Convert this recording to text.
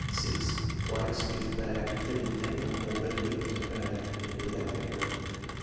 (6) Why excuse a bad act committed in anger more readily than a bad act committed without anger.